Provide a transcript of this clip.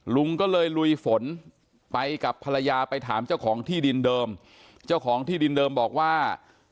ลุงก็เลยลุยฝนไปกับภรรยาไปถามเจ้าของที่ดินเดิมเจ้าของที่ดินเดิมบอกว่า